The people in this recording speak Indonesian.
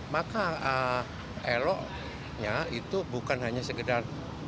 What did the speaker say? maka eloknya itu bukan hanya sekedar